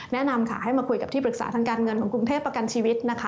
แนะนำค่ะให้มาคุยกับที่ปรึกษาทางการเงินของกรุงเทพประกันชีวิตนะคะ